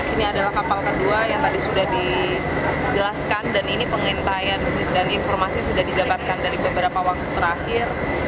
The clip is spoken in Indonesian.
ini adalah kapal kedua yang tadi sudah dijelaskan dan ini pengintaian dan informasi sudah didapatkan dari beberapa waktu terakhir